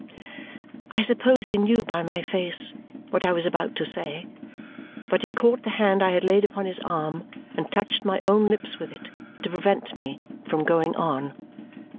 I suppose he knew by my face what I was about to say, but he caught the hand I had laid upon his arm and touched my own lips with it to prevent me from going on.